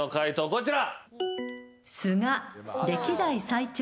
こちら。